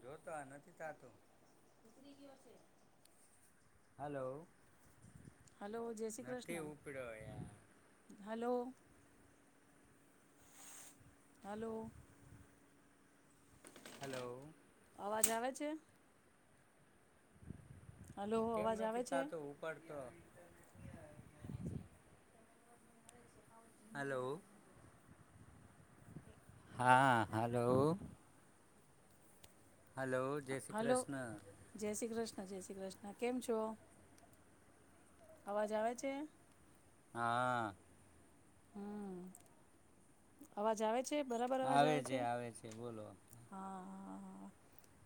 જોતો નથી થતું હલો. હલો જય શ્રી નથી કૃષ્ણ, ઉપડ્યો યાર હલો. હલો. હલો અવાજ આવે છે? હલો કેમ અવાજ આવે નથી છે થાતો ઉપડતો. હલો. હા, હલો. હલો, જય શ્રી કૃષ્ણ. હા જય શ્રી કૃષ્ણા, કેમ છો? અવાજ આવે છે? હા હમ્મ. અવાજ આવે છ આવે છે, આવે છે, બોલો. હા, હા, હા,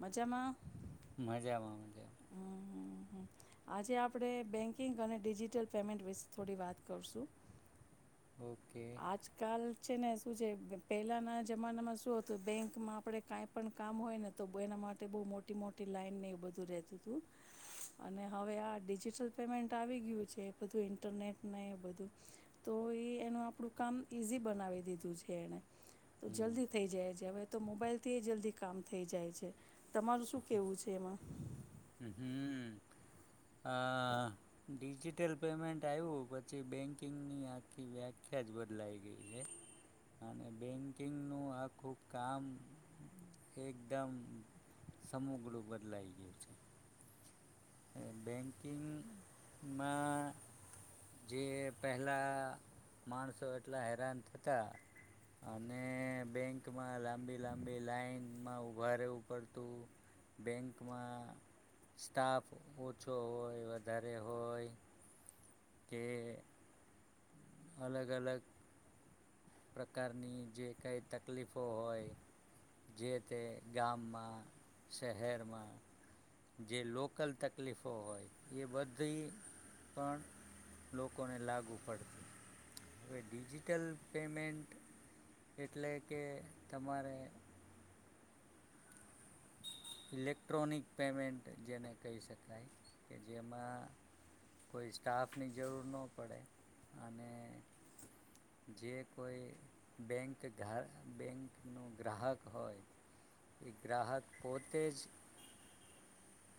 મજામાં? મજામાં મજા હમ્મ, હમ્મ, હમ્મ. આજે આપણે બેંકિંગ અને ડિજિટલ પેમેન્ટ વિશે થોડી વાત કરશું. ઓકે આજકાલ છે ને શું છે પહેલાંના જમાનામાં શું હતું બેંકમાં આપણે કાંઈ પણ કામ હોય ને તો બ એના માટે બહુ મોટી મોટી લાઈનને એવું બધું રહેતું તું. અને હવે આ ડિજિટલ પેમેન્ટ આવી ગયું છે બધું ઇન્ટરનેટ ને એ બધું તો એ એનું આપણું કામ ઇઝી બનાવી દીધું છે એણે. તો હમ જલ્દી થઈ જાય છે હવે. તો મોબાઈલથી જલ્દી કામ થઈ જાય છે. તમારું શું કેવું છે એમાં? હમ્મ-હમ્મ, આ ડિજિટલ પેમેન્ટ આયવું પછી બેંકિંગની આખી વ્યાખ્યા જ બદલાઈ ગઈ છે, અને બેંકિંગનું આખું કામ એકદમ સમુગ્રુ બદલાઈ ગયું છે. બેંકિંગમાં જે પહેલા માણસો એટલા હેરાન થતા અને બેંકમાં લાંબી-લાંબી લાાઈનમાં ઊભા રહેવું પડતું, બેંકમાં સ્ટાફ ઓછો હોય, વધારે હોય કે અલગ-અલગ પ્રકારની જે કાઈ તકલીફો હોય, જે તે ગામમાં, શહેરમાં જે લોકલ તકલીફો હોય એ બધી પણ લોકોને લાગુ પડતી. હવે ડિજિટલ પેમેન્ટ એટલે કે તમારે ઇલેક્ટ્રોનિક પેમેન્ટ જેને કહી શકાય કે જેમાં કોઈ સ્ટાફની જરૂર ન પડે અને જે કોઈ બેંક ઘાર બેંકનો ગ્રાહક હોય એ ગ્રાહક પોતેજ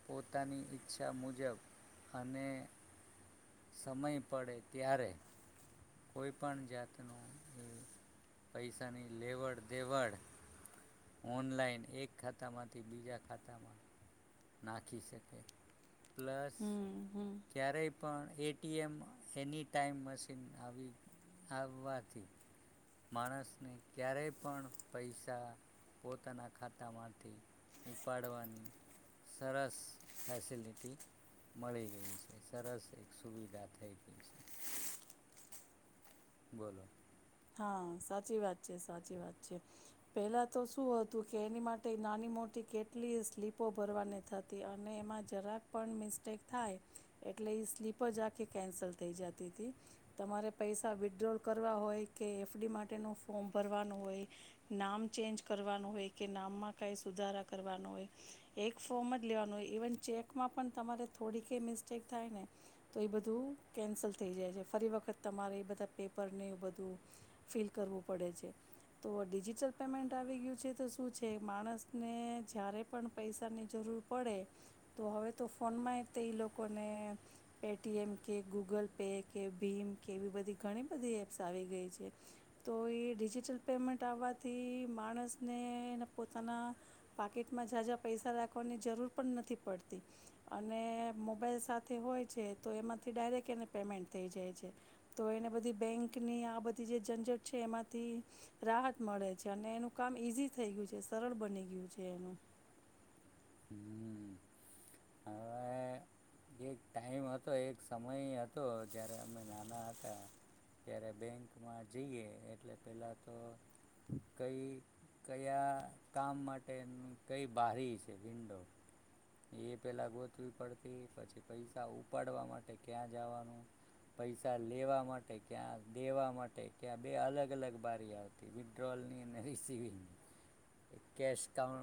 પોતાની ઈચ્છા મુજબ અને સમય પડે ત્યારે કોઈ પણ જાતનું પૈસાની લેવડ દેવડ ઓનલાઈન એક ખાતામાંથી બીજા ખાતામાં નાખી શકે. પ્લસ હમ હમ ક્યારેય પણ એ ટી એમ એની ટાઈમ મશીન આવી આવવાથી માણસને ક્યારેય પણ પૈસા પોતાના ખાતામાંથી ઉપાડવાની સરસ ફેસિલિટી મળી ગઈ છે. સરસ એક સુવિધા થઈ ગઈ છે. બોલો. હા સાચી વાત છે, સાચી વાત છે. પહેલાં તો શું હતું કે એની માટેય નાની મોટી કેટલીય સ્લીપો ભરવાની થાતી અને એમાં જરાક પણ મિસ્ટેક થાય એટલે ઈ સ્લીપ જ આખી કેન્સલ થઈ જતી તી. તમારે પૈસા વિડ્રોલ કરવા હોય કે એફ ડી માટેનું ફોર્મ ભરવાનું હોય, નામ ચેન્જ કરવાનું હોય, કે નામમાં કાંઈ સુધારા કરવાનું હોય, એક ફોર્મ જ લેવાનું હોય, ઇવન ચેકમાં પણ તમારે થોડી કંઈ મિસ્ટેક થાય ને તો એ બધું કેન્સલ થઈ જાય છે, ફરી વખત તમારે એ બધા પેપરને એવું બધું ફિલ કરવું પડે છે. તો ડિજિટલ પેમેન્ટ આવી ગયું છે તો શું છે માણસને જ્યારે પણ પૈસાની જરૂર પડે તો હવે તો ફોનમાંય તે એ લોકોને પે ટી એમ કે ગૂગલ પે કે ભીમ કે એવી બધી ઘણી બધી એપ્સ આવી ગઈ છે. તો એ ડિજિટલ પેમેન્ટ આવવાથી માણસને એને પોતાના પાકિટમાં જાજા પૈસા રાખવાની જરૂર પણ નથી પડતી અને મોબાઈલ સાથે હોય છે તો એમાંથી ડાયરેક્ટ એને પેમેન્ટ થઈ જાય છે, તો એને બધી બેંકની આ બધ ની જે ઝંઝટ છે એમાંથી રાહત મળે છે, અને એનું કામ ઈઝી થઈ ગયું છે, સરળ બની ગયું છે એનું. હમ હવે એક ટાઈમ હતો, એક સમય હતો જ્યારે અમે નાના હતા ત્યારે બેંકમાં જઈએ એટલે પહેલાં તો કઈ કયા કામ માટે કઈ બારી છે વિન્ડો એ પહેલાં ગોતવી પડતી. પછી પૈસા ઉપાડવા માટે ક્યાં જવાનું, પૈસા લેવા માટે ક્યાં દેવા માટે ક્યાં બે અલગ અલગ બારી આવતી. વિડ્રોઅલની અને રિસિવિંગની એ કેશ કાઉ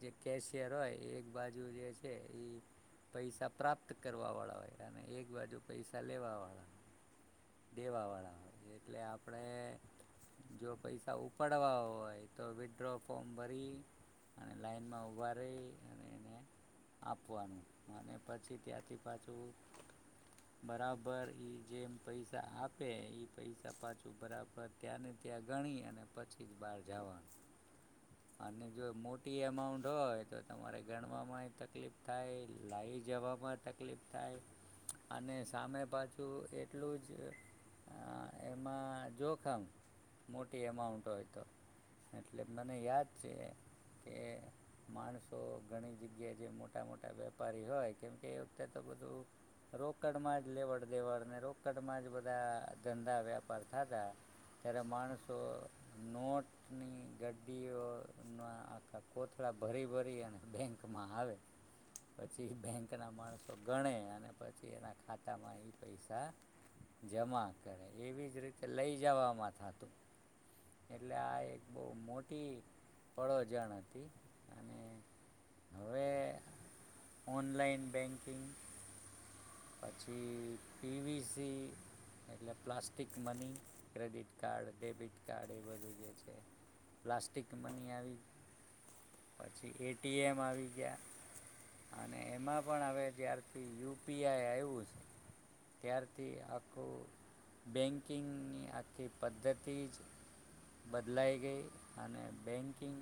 જે કેશિયર હોય એક બાજુ જે છે એ પૈસા પ્રાપ્ત કરવાવાળા હોય અને એક બાજુ પૈસા લેવાવાળા હોય દેવાવાળા હોય એટલે આપણે જો પૈસા ઉપાડવા હોય તો વિડ્રો ફોર્મ ભરી અને લાઈનમાં ઊભા રહી અને એને આપવાનું અને પછી ત્યાંથી પાછું બરાબર ઈ જેમ પૈસા આપે ઈ પૈસા પાછું બરાબર ત્યાં ને ત્યાં ગણી અને પછી જ બહાર જવાનું. અને જો મોટી એમાઉન્ટ હોય તો તમારે ગણવામાં તકલીફ થાય લાઈ જવામાં તકલીફ થાય અને સામે પાછું એટલું જ અહ એમાં જોખમ મોટી એમાઉન્ટ હોય તો એટલે મને યાદ છે કે માણસો ઘણી જગ્યાએ જે મોટા મોટા વેપારી હોય કેમકે એ વખતે તો બધું રોકડમાં જ લેવડ દેવડને રોકડમાં જ બધા ધંધા વ્યાપાર થતા ત્યારે માણસો નોટની ગડડીઓના આખા કોથળા ભરી ભરી અને બેંકમાં આવે પછી બેંક કના માણસો ગણે અને પછી એના ખાતામાં એ પૈસા જમા કરે. એવી જ રીતે લઈ જવામાં થતું એટલે આ એક બહુ મોટી પળોજણ હતી અને હવે ઓનલાઈન બેંકિંગ પછી પીવીસી એટલે plastic money, credit card, debit card એ બધું જે છે પ્લાસ્ટિક મની આવી પછી એ ટી એમ આવી ગયા અને એમાં પણ આવે જ્યારથી યુ પી આઈ આવ્યું છે ત્યારથી આખું બેન્કિંગની આખી પદ્ધતિ જ બદલાઈ ગઈ અને બેન્કિંગ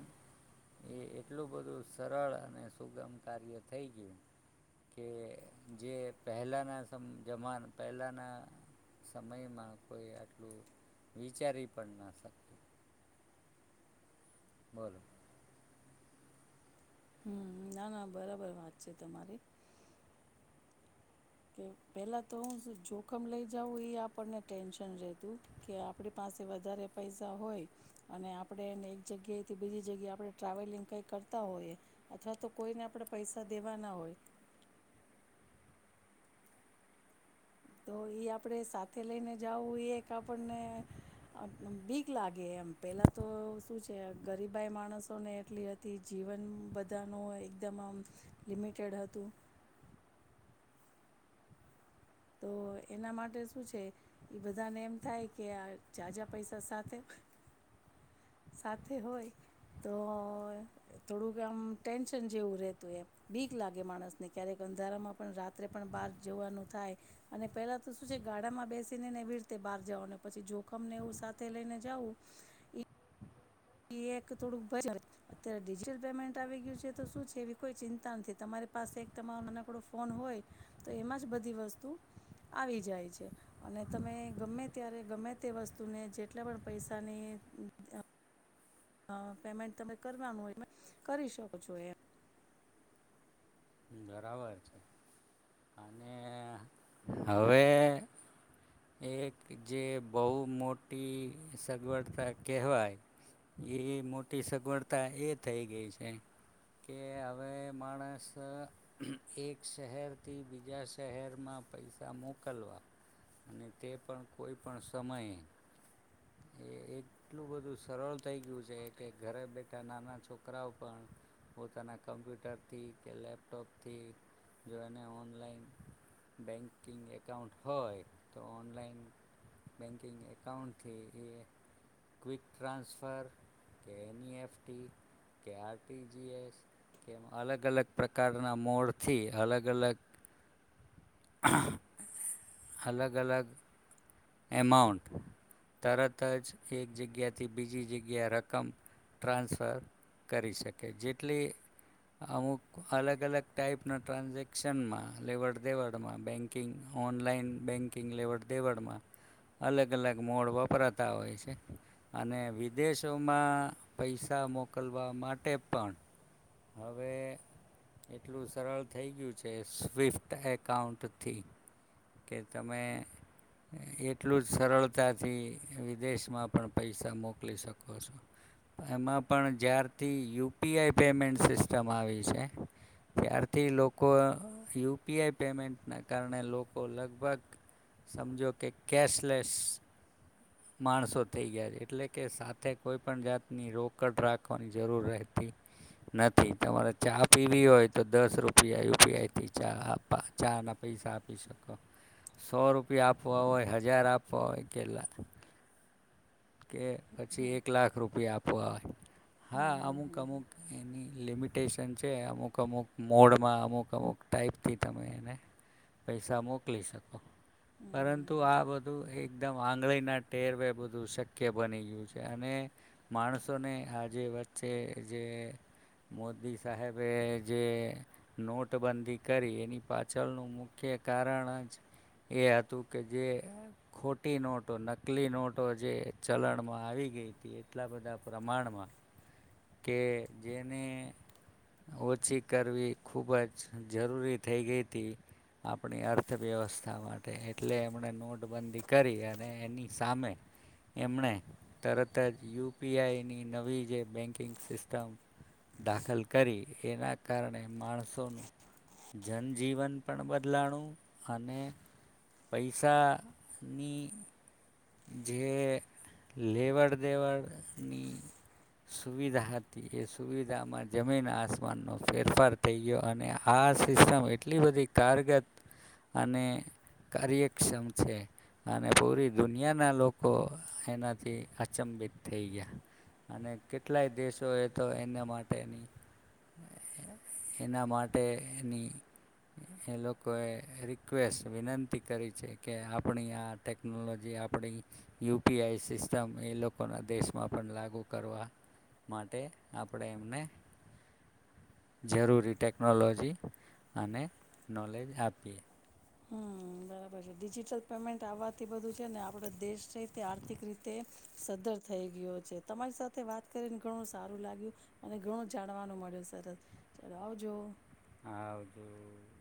એ એટલું બધું સરળ અને સુગમ કાર્ય થઈ ગયું કે જે પહેલાના સમ જમા પહેલાના સમયમાં કોઈ આટલું વિચારી પણ ના શકે. બોલો. હમ્મ. ના ના બરાબર વાત છે તમારી. કે પેલા તો હું જોખમ લઇ જાઉં એ આપણને ટેન્શન રહેતું કે આપણી પાસે વધારે પૈસા હોય અને આપણે એને એક જગ્યાએથી બીજી જગ્યાએ આપણે ટ્રાવેલિંગ કઈ કરતા હોઈએ અથવા તો કોઈને આપણે પૈસા દેવાના હોય. તો એ આપણેે સાથે લઈને જવું એ આપણને બીક લાગે એમ પેલા તો શું છે ગરીબાઈ માણસોને એટલી હતી જીવન બધાનું એકદમ આમ લિમિટેડ હતું. તો એના માટે શું છે એ બધાને એમ થાય કે આ જાજા પૈસા સાથે સાથે હોય તો અહ થોડુંક આમ ટેન્શન જેવું રહેેતું એ બીક લાગે માણસને ક્યારેક અંધારામાં પણ રાત્રે પણ બહાર જવાનું થાય અને પેલા તો શું છે ગાડામાં બેસીને ને એવી રીતે બહાર જવાનો, પછી જોખમને એવું સાથે લઈને જાવું ઈ એક થોડુંક [unintelligible] અત્યારે ડિજિટલ પેમેન્ટ આવી ગયું છે તો શું છે એવી કોઈ ચિંતા નથી. તમારી પાસે એક તમારો નાનકડો ફોન હોય તો એમાં જ બધી વસ્તુ આવી જાય છે. અને તમે ગમે ત્યારે ગમે તે વસ્તુને જેટલા પણ પૈસાની અહ પેમેન્ટ તમે કરવાનું હોય, કરી શકો છો એમ. હમ્મ, બરાબર છે. અને હવે એક જે બહુ મોટી સગવડતા કહેવાય એ મોટી સગવડતા એ થઈ ગઈ છે કે હવે માણસ અહ એક શહેરથી બીજા શહેરમાં પૈસા મોકલવા અને તે પણ કોઈ પણ સમયે, એ એટલું બધું સરળ થઈ ગયું છે કે ઘરે બેઠા નાના છોકરાઓ પણ પોતાના કમ્પ્યુટરથી કે લેપટોપથી જો એને ઓનલાઈન બેન્કિંગ એકાઉન્ટ હોય તો ઓનલાઈન બેન્કિંગ એકાઉન્ટથી એ ક્વિક ટ્રાન્સફર કે એન ઇ એફ ટી કે આર ટી જી એસ એમ અલગ અલગ પ્રકારના મોડ થી અલગ અલગ અલગ અલગ એમાઉન્ટ તરત જ એક જગ્યાથી બીજીએ જગ્યા રકમ ટ્રાન્સફર કરી શકે. જેટલી અમુક અલગ અલગ ટાાઈપના ટ્રાન્ઝેક્શનમાં લેવડ-દેવડમાં બેન્કિંગ ઓનલાઈન બેન્કિંગ લેવડ દેવડમાં અલગ અલગ મોડ વપરાતા હોય છે, અને વિદેશોમાં પૈસા મોકલવા માટે પણ હવે એટલું સરળ થઈ ગયું છે સ્વિફ્ટ એકાઉન્ટથી, કે તમે એટલું જ સરળતાથી વિદેશમાં પણ પૈસા મોકલી શકો છો. એમાં પણ જ્યારથી U P I payment system આવી છે ત્યારથી લોકો અહ યુ પી આઈ પેમેન્ટના કારણે લોકો લગભગ સમજો કે કેશલેસ માણસો થઈ ગયા છે. એટલે કે સાથે કોઈપણ જાતની રોકડ રાખવાની જરૂર રહેતી નથી. તમારે ચા પીવી હોય તો દસ રૂપિયા યુ પી આઈથી ચા આપવા ચાના પૈસા આપી શકો. સો રૂપિયા આપ પવા હોય હજાર આપવા હોય કે લાખ કે પછી એક લાખ રૂપિયા આપ પાય હા હમ અમુક હમ હમ અમુક એની લિમિટ ટેશન છે અમુક અમુક મોડમાં અમુક અમુક ટાઈપથી તમે એને પૈસા મોકલી શકો, હમ પરંતુ હમ આ બધું એકદમ આંગળીના ટેરવે બધું શક કે બની ગયું છે અને માણસોને આ જે વચ્ચે જે મોદી સાહેબે જે નોટબંધી કરી એની પાછળનું મુખ્ય કારણ જ એ હતું કે જે ખોટી નોટો નકલી નોટો જે ચલણમાં આવી ગઈ તી એટલા બધા પ્રમાણમાં કે જેને ઓછી કરવી ખૂબ જ જરૂરી થઈ ગઈ તી, આપણી અર્થવ્યવસ્થા માટે, એટલે એમણે નોટબંધી કરી અને એની સામે એમણે તરત જ યુ પી આઈની નવી જે બેન્કિંગ સિસ્ટમ દાખલ કરી એના કારણે માણસોનું જનજીવન પણ બદલાણું અને પૈસાની જે લેવડ દેવડની સુવિધા હતી એ સુવિધામાં જમીન આસમાનનો ફેરફાર થઈ ગયો અને આ સિસ્ટમ એટલી બધી કારગત અને કાર્યક્ષમ છે અને પૂરી દુનિયાના લોકો એનાથી અચંભિત થઈ ગયા અને કેટલાય દેશોએ તો એના માટેની એના માટેની એ લોકોએ રિક્વેસ્ટ વિનંતી કરી છે કે આપણી આ ટેકનોલોજ જે આપણી યુ પી આઈ સિસ્ટમ એ લોકોના દેશમાં પણ લાગુ કરવા માટે આપણે એમને જરૂરી ટેકનોલોજી અને નોલેજ આપીએ. હમ્મ, બરાબર છે. ડિજિટલ પેમેન્ટ આવવાથી બધું છે ને આપણું દેશ છે તે આર્થિક રીતે સદ્ધર થઈ ગયો છે. તમારી સાથે વાત કરીને ઘણું સારું લાગ્યું અને ઘણું જાણવાનું મળ્યું. સરલ ચલો આવજો. હા આવજો,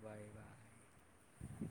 બાય બાય.